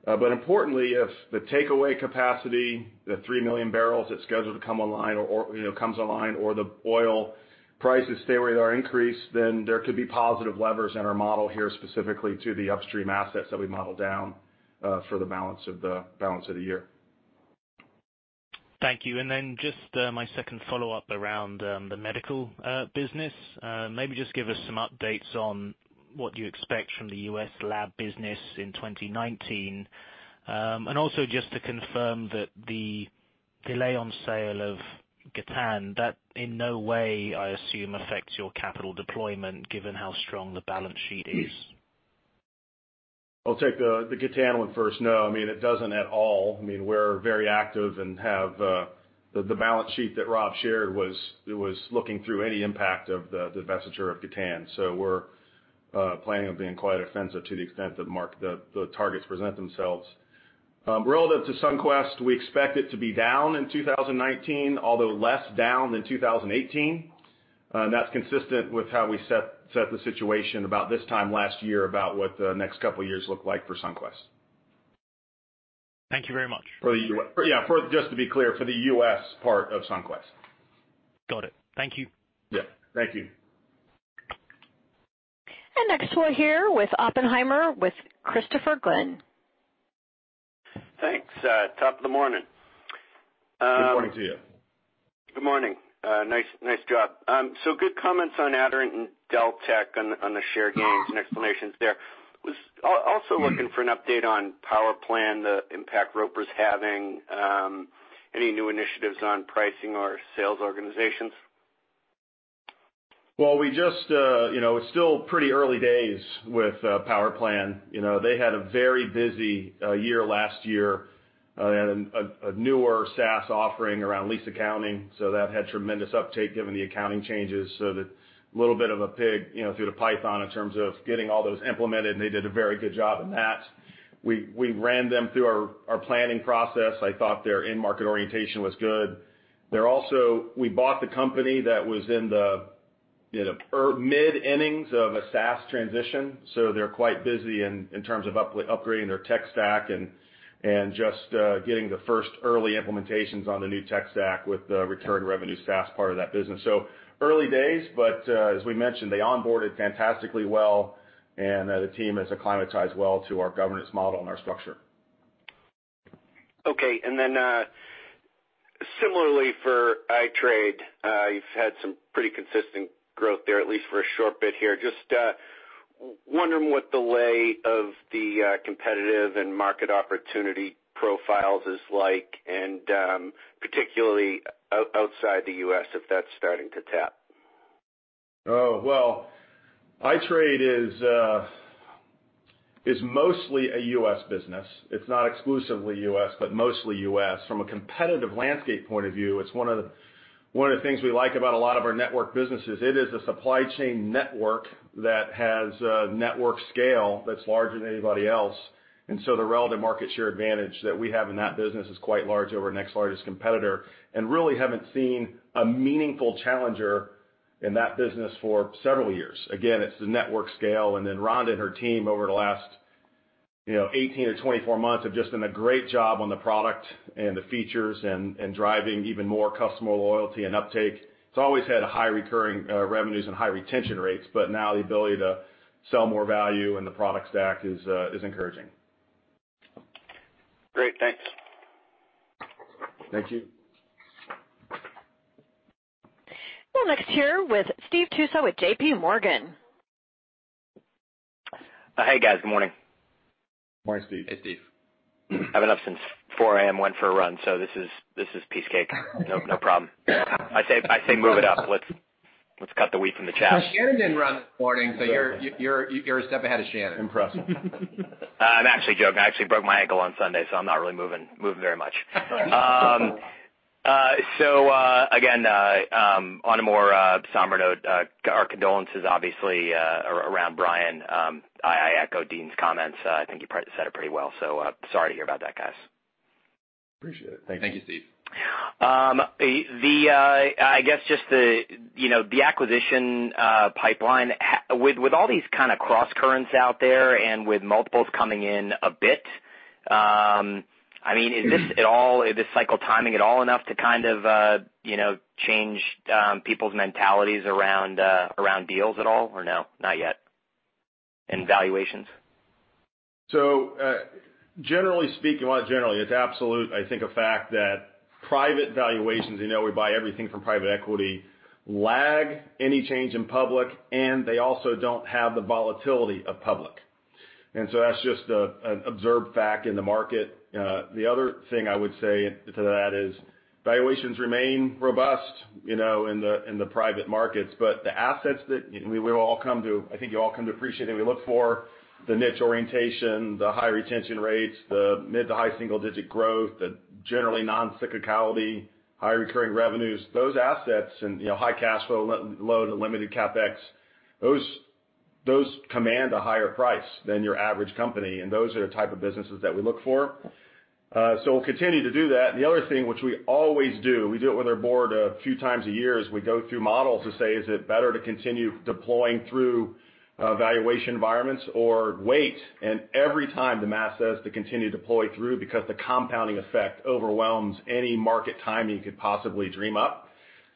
Importantly, if the takeaway capacity, the 3 million barrels that's scheduled to come online, or comes online or the oil prices stay where they are increased, there could be positive levers in our model here, specifically to the upstream assets that we modeled down for the balance of the year. Thank you. Then just my second follow-up around the medical business. Maybe just give us some updates on what you expect from the U.S. lab business in 2019. Also just to confirm that the delay on sale of Gatan, that in no way, I assume, affects your capital deployment, given how strong the balance sheet is. I'll take the Gatan one first. No, it doesn't at all. We're very active and the balance sheet that Rob shared was looking through any impact of the divestiture of Gatan. We're planning on being quite offensive to the extent that the targets present themselves. Relative to SunQuest, we expect it to be down in 2019, although less down than 2018. That's consistent with how we set the situation about this time last year about what the next couple of years look like for SunQuest. Thank you very much. Yeah, just to be clear, for the U.S. part of Sunquest. Got it. Thank you. Yeah. Thank you. Next we're here with Oppenheimer, with Christopher Glynn. Thanks. Top of the morning. Good morning to you. Good morning. Nice job. Good comments on Aderant and Deltek on the share gains and explanations there. Was also looking for an update on PowerPlan, the impact Roper's having, any new initiatives on pricing or sales organizations? It's still pretty early days with PowerPlan. They had a very busy year last year and a newer SaaS offering around lease accounting, so that had tremendous uptake given the accounting changes. That little bit of a pig through the python in terms of getting all those implemented, and they did a very good job in that. We ran them through our planning process. I thought their end market orientation was good. We bought the company that was in the mid-innings of a SaaS transition, so they're quite busy in terms of upgrading their tech stack and just getting the first early implementations on the new tech stack with the recurring revenue SaaS part of that business. Early days, but as we mentioned, they onboarded fantastically well, and the team has acclimatized well to our governance model and our structure. Okay, similarly for iTrade, you've had some pretty consistent growth there, at least for a short bit here. Just wondering what the lay of the competitive and market opportunity profiles is like, and particularly outside the U.S., if that's starting to tap. Well, iTrade is mostly a U.S. business. It's not exclusively U.S., but mostly U.S. From a competitive landscape point of view, it's one of the things we like about a lot of our network businesses. It is a supply chain network that has a network scale that's larger than anybody else. So the relative market share advantage that we have in that business is quite large over our next largest competitor, and really haven't seen a meaningful challenger in that business for several years. Again, it's the network scale. Then Rhonda and her team over the last 18 or 24 months have just done a great job on the product and the features and driving even more customer loyalty and uptake. It's always had high recurring revenues and high retention rates, but now the ability to sell more value in the product stack is encouraging. Great. Thanks. Thank you. We'll next hear with Steve Tusa with JP Morgan. Hey, guys. Good morning. Morning, Steve. Hey, Steve. I've been up since 4:00 A.M. Went for a run, this is piece cake. No problem. I say move it up. Let's cut the wheat from the chaff. Shannon didn't run this morning, you're a step ahead of Shannon. Impressive. I'm actually joking. I actually broke my ankle on Sunday, I'm not really moving very much. Again, on a more somber note, our condolences obviously around Brian. I echo Deane's comments. I think you said it pretty well. Sorry to hear about that, guys. Appreciate it. Thank you. Thank you, Steve. I guess just the acquisition pipeline. With all these kind of cross currents out there and with multiples coming in a bit, is this cycle timing at all enough to kind of change people's mentalities around deals at all, or no, not yet, and valuations? Generally speaking, well, not generally, it's absolute, I think a fact that private valuations, we buy everything from private equity, lag any change in public, and they also don't have the volatility of public. That's just an observed fact in the market. The other thing I would say to that is valuations remain robust in the private markets. The assets that I think you all come to appreciate, and we look for the niche orientation, the high retention rates, the mid to high single digit growth, the generally non-cyclicality, high recurring revenues, those assets and high cash flow, low to limited CapEx, those command a higher price than your average company, and those are the type of businesses that we look for. We'll continue to do that. The other thing which we always do, we do it with our board a few times a year, is we go through models to say, is it better to continue deploying through valuation environments or wait? Every time the math says to continue to deploy through because the compounding effect overwhelms any market timing you could possibly dream up.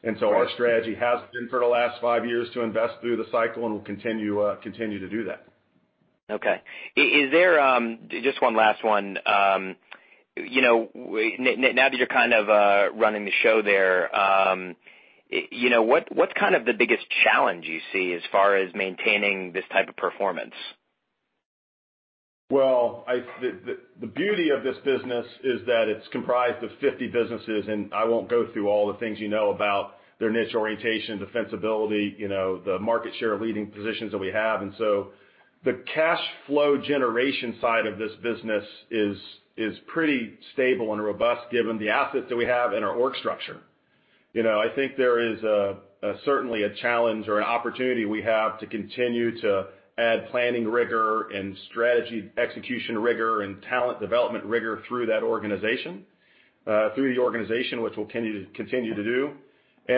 Our strategy has been for the last five years to invest through the cycle, and we'll continue to do that. Okay. Just one last one. Now that you're kind of running the show there, what's kind of the biggest challenge you see as far as maintaining this type of performance? Well, the beauty of this business is that it's comprised of 50 businesses. I won't go through all the things you know about their niche orientation, defensibility, the market share leading positions that we have. The cash flow generation side of this business is pretty stable and robust given the assets that we have and our org structure. I think there is certainly a challenge or an opportunity we have to continue to add planning rigor and strategy execution rigor and talent development rigor through the organization, which we'll continue to do.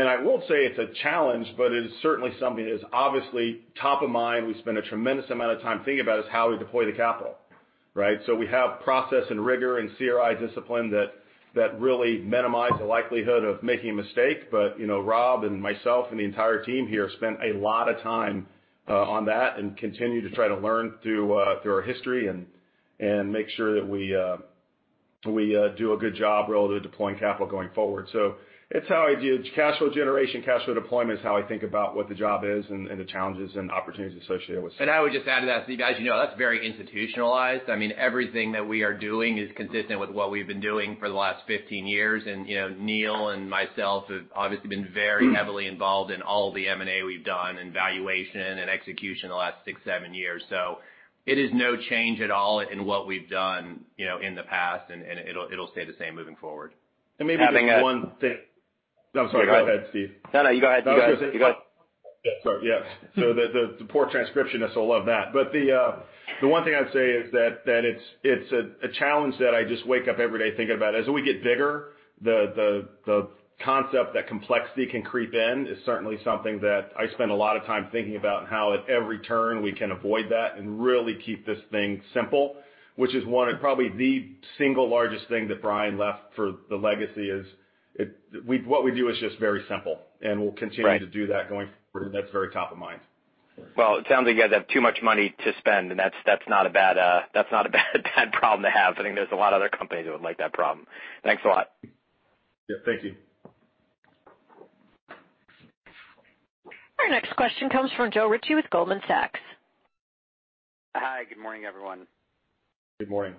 I won't say it's a challenge, but it is certainly something that is obviously top of mind. We spend a tremendous amount of time thinking about is how we deploy the capital, right? We have process and rigor and CRI discipline that really minimize the likelihood of making a mistake. Rob and myself and the entire team here spend a lot of time on that and continue to try to learn through our history and make sure that we do a good job relative to deploying capital going forward. It's how I view cash flow generation, cash flow deployment is how I think about what the job is and the challenges and opportunities associated with it. I would just add to that, Steve, as you know, that's very institutionalized. Everything that we are doing is consistent with what we've been doing for the last 15 years. Neil and myself have obviously been very heavily involved in all the M&A we've done, in valuation, and execution the last six, seven years. It is no change at all in what we've done in the past, and it'll stay the same moving forward. Maybe just one thing. I'm sorry. Go ahead, Steve. No, you go ahead. I was going to say Sorry. Yeah. The poor transcriptionists will love that. The one thing I'd say is that it's a challenge that I just wake up every day thinking about. As we get bigger, the concept that complexity can creep in is certainly something that I spend a lot of time thinking about and how, at every turn, we can avoid that and really keep this thing simple, which is one of probably the single largest thing that Brian left for the legacy is what we do is just very simple, and we'll. Right We'll continue to do that going forward, that's very top of mind. Well, it sounds like you guys have too much money to spend. That's not a bad problem to have. I think there's a lot of other companies that would like that problem. Thanks a lot. Yeah, thank you. Our next question comes from Joe Ritchie with Goldman Sachs. Hi, good morning, everyone. Good morning.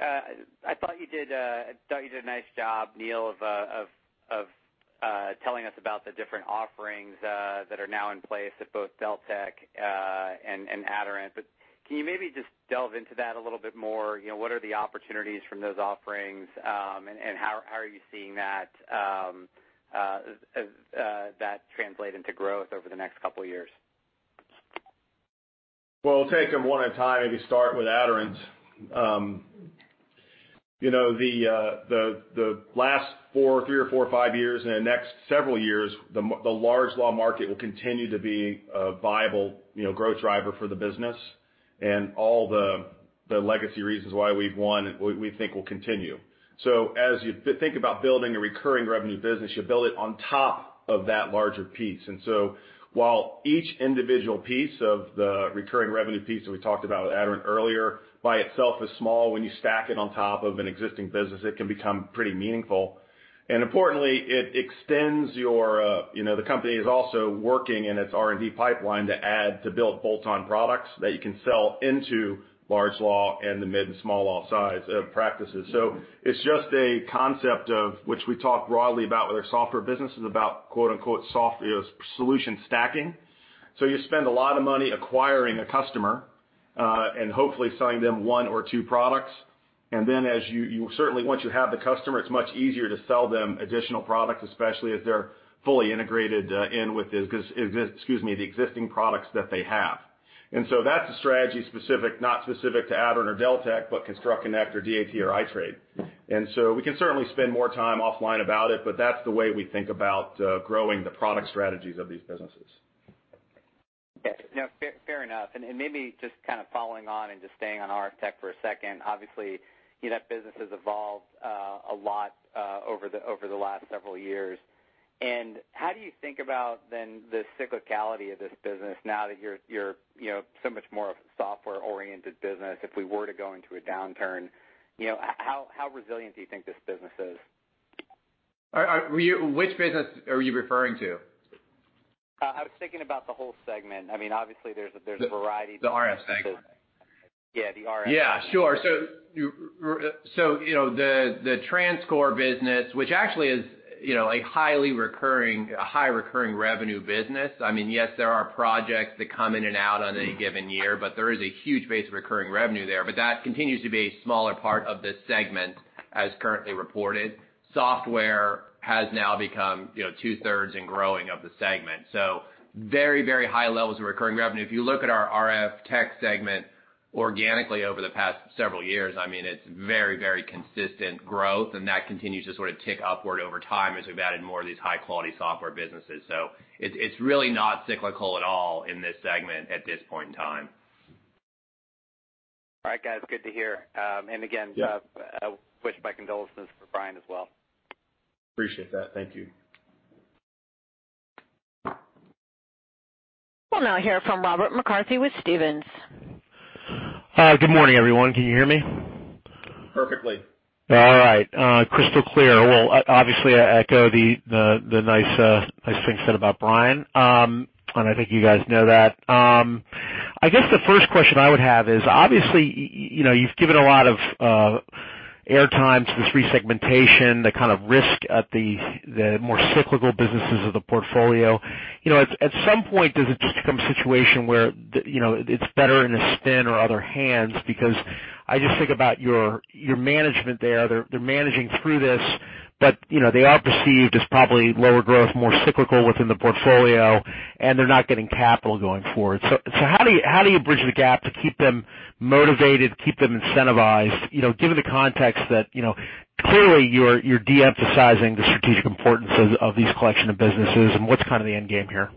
I thought you did a nice job, Neil, of telling us about the different offerings that are now in place at both Deltek and Aderant. Can you maybe just delve into that a little bit more? What are the opportunities from those offerings, and how are you seeing that translate into growth over the next couple of years? I'll take them one at a time, maybe start with Aderant. The last three or four or five years and the next several years, the large law market will continue to be a viable growth driver for the business. All the legacy reasons why we've won, we think will continue. As you think about building a recurring revenue business, you build it on top of that larger piece. While each individual piece of the recurring revenue piece that we talked about with Aderant earlier by itself is small, when you stack it on top of an existing business, it can become pretty meaningful. Importantly, the company is also working in its R&D pipeline to add, to build bolt-on products that you can sell into large law and the mid and small law size practices. It's just a concept of which we talk broadly about with our software businesses, about "solution stacking." You spend a lot of money acquiring a customer, and hopefully selling them one or two products. Then certainly, once you have the customer, it's much easier to sell them additional products, especially if they're fully integrated in with the existing products that they have. That's a strategy not specific to Aderant or Deltek, but ConstructConnect or DAT or iTrade. We can certainly spend more time offline about it, but that's the way we think about growing the product strategies of these businesses. Yeah. Fair enough. Maybe just kind of following on and just staying on RF Tech for a second. Obviously, that business has evolved a lot over the last several years. How do you think about then the cyclicality of this business now that you're so much more of a software-oriented business? If we were to go into a downturn, how resilient do you think this business is? Which business are you referring to? I was thinking about the whole segment. Obviously, there's a variety- The RF segment. Yeah, the RF. Yeah, sure. The TransCore business, which actually is a high recurring revenue business. Yes, there are projects that come in and out on any given year, but there is a huge base of recurring revenue there. That continues to be a smaller part of the segment as currently reported. Software has now become two-thirds and growing of the segment. Very high levels of recurring revenue. If you look at our RF tech segment organically over the past several years, it's very consistent growth, and that continues to sort of tick upward over time as we've added more of these high-quality software businesses. It's really not cyclical at all in this segment at this point in time. All right, guys. Good to hear. Yeah. Again, I wish my condolences for Brian as well. Appreciate that. Thank you. We'll now hear from Robert McCarthy with Stephens. Good morning, everyone. Can you hear me? Perfectly. All right. Crystal clear. Well, obviously, I echo the nice things said about Brian. I think you guys know that. I guess the first question I would have is, obviously, you've given a lot of air time to this re-segmentation, the kind of risk at the more cyclical businesses of the portfolio. At some point, does it just become a situation where it's better in a spin or other hands? Because I just think about your management there. They're managing through this, but they are perceived as probably lower growth, more cyclical within the portfolio, and they're not getting capital going forward. How do you bridge the gap to keep them motivated, keep them incentivized given the context that clearly you're de-emphasizing the strategic importance of these collection of businesses, and what's kind of the end game here?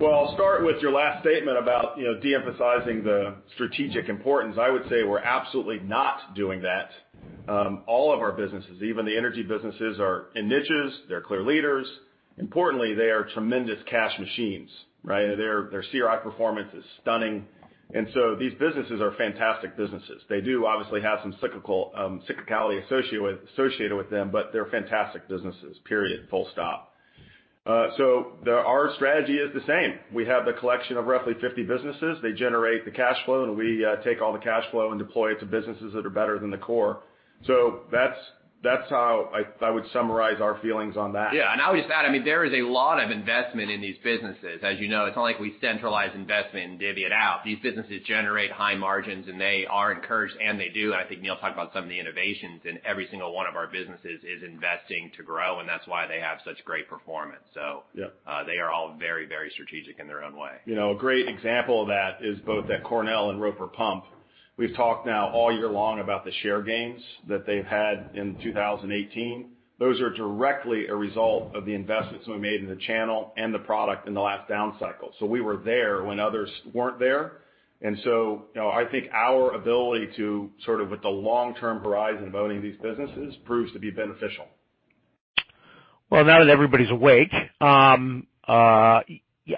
I'll start with your last statement about de-emphasizing the strategic importance. I would say we're absolutely not doing that. All of our businesses, even the energy businesses, are in niches. They're clear leaders. Importantly, they are tremendous cash machines, right? Their CRI performance is stunning. These businesses are fantastic businesses. They do obviously have some cyclicality associated with them, but they're fantastic businesses, period, full stop. Our strategy is the same. We have the collection of roughly 50 businesses. They generate the cash flow, and we take all the cash flow and deploy it to businesses that are better than the core. That's how I would summarize our feelings on that. Not only that, there is a lot of investment in these businesses. As you know, it's not like we centralize investment and divvy it out. These businesses generate high margins, and they are encouraged, and they do. I think Neil talked about some of the innovations, and every single one of our businesses is investing to grow, and that's why they have such great performance. Yep They are all very strategic in their own way. A great example of that is both at Cornell and Roper Pump. We've talked now all year long about the share gains that they've had in 2018. Those are directly a result of the investments we made in the channel and the product in the last down cycle. We were there when others weren't there. I think our ability to sort of with the long-term horizon of owning these businesses proves to be beneficial. Now that everybody's awake,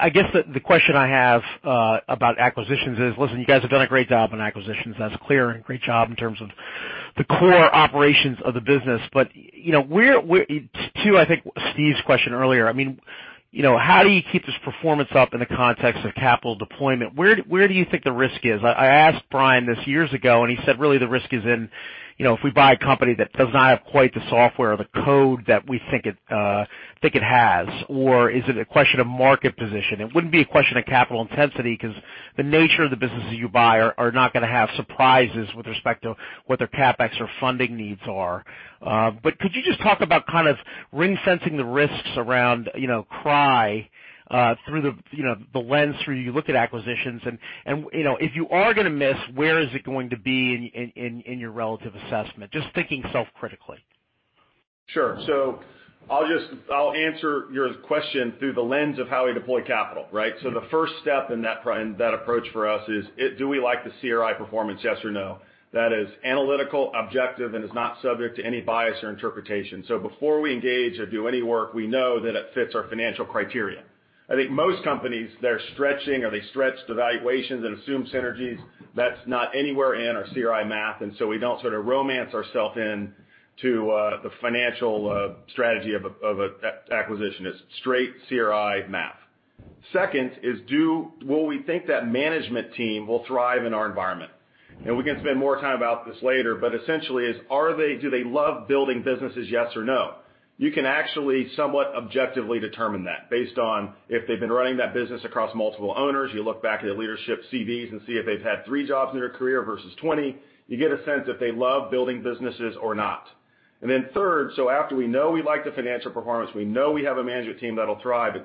I guess the question I have about acquisitions is, listen, you guys have done a great job on acquisitions, that's clear, and a great job in terms of the core operations of the business, to, I think, Steve Tusa's question earlier, how do you keep this performance up in the context of capital deployment? Where do you think the risk is? I asked Brian this years ago, and he said, "Really the risk is in if we buy a company that does not have quite the software or the code that we think it has," or is it a question of market position? It wouldn't be a question of capital intensity because the nature of the businesses you buy are not going to have surprises with respect to what their CapEx or funding needs are. Could you just talk about kind of ring-fencing the risks around CRI through the lens through you look at acquisitions and if you are going to miss, where is it going to be in your relative assessment? Just thinking self-critically. Sure. I'll answer your question through the lens of how we deploy capital, right? The first step in that approach for us is, do we like the CRI performance, yes or no? That is analytical, objective, and is not subject to any bias or interpretation. Before we engage or do any work, we know that it fits our financial criteria. I think most companies, they're stretching or they stretch the valuations and assume synergies. That's not anywhere in our CRI math, and we don't sort of romance ourself in to the financial strategy of an acquisition. It's straight CRI math. Second is will we think that management team will thrive in our environment? We can spend more time about this later, but essentially is do they love building businesses, yes or no? You can actually somewhat objectively determine that based on if they've been running that business across multiple owners. You look back at leadership CVs and see if they've had three jobs in their career versus 20. You get a sense if they love building businesses or not. Third, after we know we like the financial performance, we know we have a management team that'll thrive, is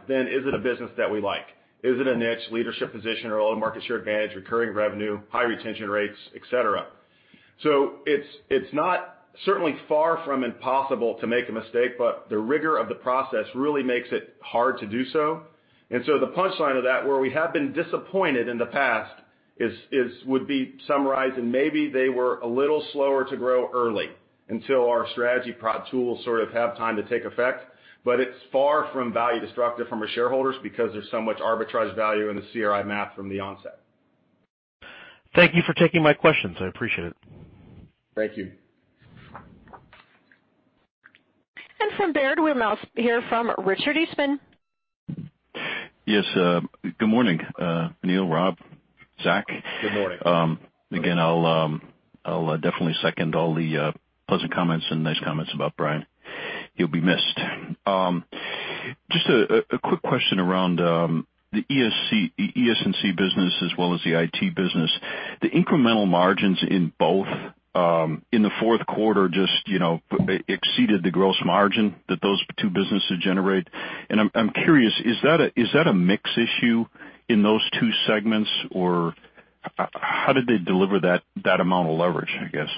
it a business that we like? Is it a niche, leadership position, or a little market share advantage, recurring revenue, high retention rates, et cetera? It's not certainly far from impossible to make a mistake, but the rigor of the process really makes it hard to do so. The punchline of that, where we have been disappointed in the past would be summarized in maybe they were a little slower to grow early until our strategy prod tools sort of have time to take effect, but it's far from value destructive from our shareholders because there's so much arbitraged value in the CRI math from the onset. Thank you for taking my questions. I appreciate it. Thank you. From Baird, we'll now hear from Richard Eastman. Yes. Good morning Neil, Rob, Zack. Good morning. Again, I'll definitely second all the pleasant comments and nice comments about Brian. He'll be missed. Just a quick question around the ES&C business as well as the IT business. The incremental margins in both in the fourth quarter just exceeded the gross margin that those two businesses generate. I'm curious, is that a mix issue in those two segments, or how did they deliver that amount of leverage, I guess?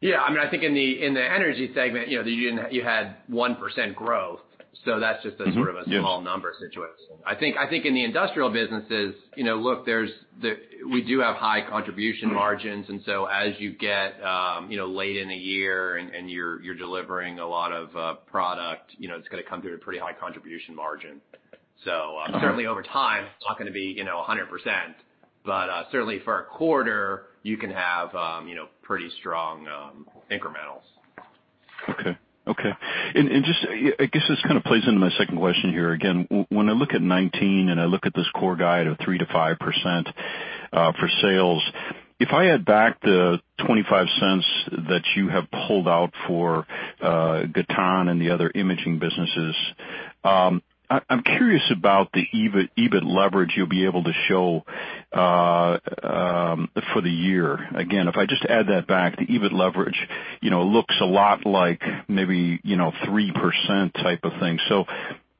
Yeah. I think in the energy segment you had 1% growth, that's just a sort of- Yeah. a small number situation. I think in the industrial businesses, look, we do have high contribution margins, and so as you get late in the year and you're delivering a lot of product, it's going to come through at a pretty high contribution margin. Certainly over time, it's not going to be 100%, but certainly for a quarter, you can have pretty strong incrementals. Okay. I guess this kind of plays into my second question here. Again, when I look at 2019 and I look at this core guide of 3%-5% for sales, if I add back the $0.25 that you have pulled out for Gatan and the other imaging businesses, I'm curious about the EBIT leverage you'll be able to show for the year. Again, if I just add that back, the EBIT leverage looks a lot like maybe 3% type of thing.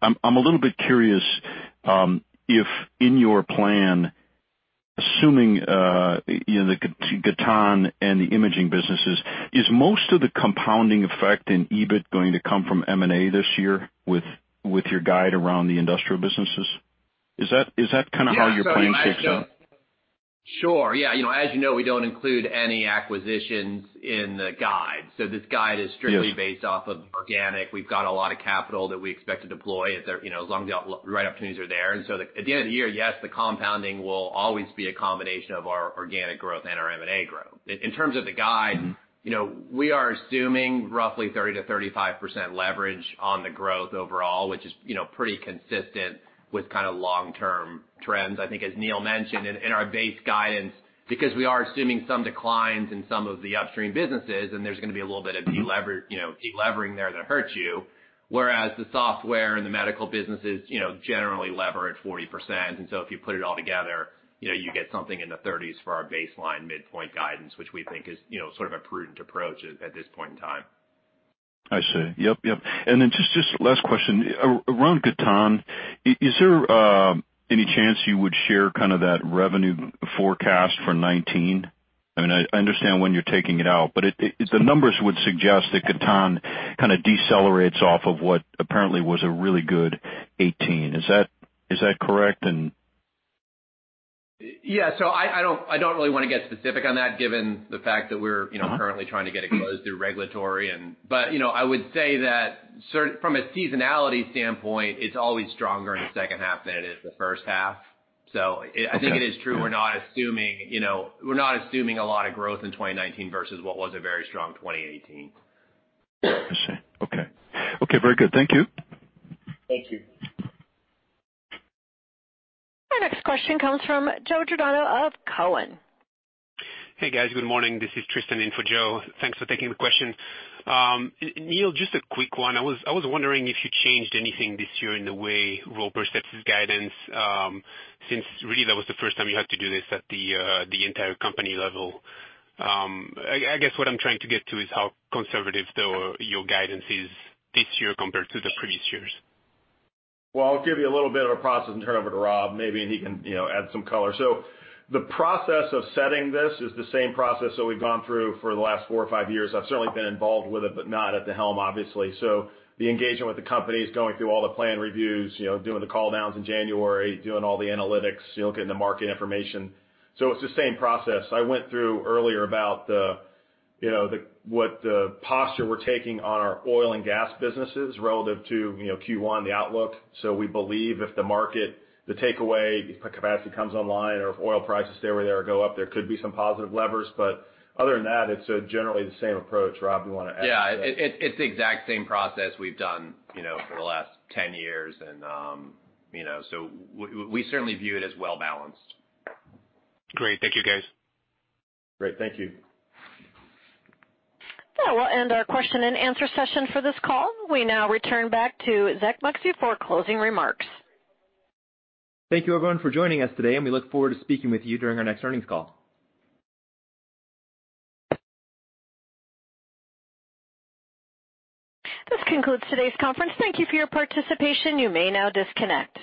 I'm a little bit curious if in your plan, assuming the Gatan and the imaging businesses, is most of the compounding effect in EBIT going to come from M&A this year with your guide around the industrial businesses? Is that kind of how you're playing things out? Sure. Yeah. As you know, we don't include any acquisitions in the guide. This guide is strictly based off of organic. We've got a lot of capital that we expect to deploy as long as the right opportunities are there. At the end of the year, yes, the compounding will always be a combination of our organic growth and our M&A growth. In terms of the guide, we are assuming roughly 30%-35% leverage on the growth overall, which is pretty consistent with kind of long-term trends, I think, as Neil mentioned in our base guidance, because we are assuming some declines in some of the upstream businesses, and there's going to be a little bit of delevering there that hurts you, whereas the software and the medical businesses generally lever at 40%. If you put it all together, you get something in the 30s for our baseline midpoint guidance, which we think is sort of a prudent approach at this point in time. I see. Yep. Just last question, around Gatan, is there any chance you would share kind of that revenue forecast for 2019? I understand when you're taking it out, but the numbers would suggest that Gatan kind of decelerates off of what apparently was a really good 2018. Is that correct? Yeah. I don't really want to get specific on that given the fact that we're currently trying to get it closed through regulatory. I would say that from a seasonality standpoint, it's always stronger in the second half than it is the first half. I think it is true we're not assuming a lot of growth in 2019 versus what was a very strong 2018. I see. Okay. Very good. Thank you. Thank you. Our next question comes from Joe Giordano of Cowen. Hey, guys. Good morning. This is Tristan in for Joe. Thanks for taking the question. Neil, just a quick one. I was wondering if you changed anything this year in the way Roper sets its guidance, since really that was the first time you had to do this at the entire company level. I guess what I'm trying to get to is how conservative your guidance is this year compared to the previous years. I'll give you a little bit of a process and turn it over to Rob. Maybe he can add some color. The process of setting this is the same process that we've gone through for the last four or five years. I've certainly been involved with it, but not at the helm, obviously. The engagement with the company is going through all the plan reviews, doing the call downs in January, doing all the analytics, getting the market information. It's the same process. I went through earlier about what posture we're taking on our oil and gas businesses relative to Q1, the outlook. We believe if the market, the takeaway capacity comes online or if oil prices stay where they are or go up, there could be some positive levers. Other than that, it's generally the same approach. Rob, you want to add to that? Yeah. It's the exact same process we've done for the last 10 years, and so we certainly view it as well-balanced. Great. Thank you, guys. Great. Thank you. That will end our question and answer session for this call. We now return back to Zack Moxcey for closing remarks. Thank you, everyone, for joining us today, and we look forward to speaking with you during our next earnings call. This concludes today's conference. Thank you for your participation. You may now disconnect.